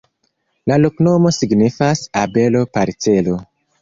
La loknomo signifas: abelo-parcelo.